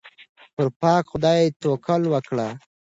پر پاک خدای توکل وکړئ.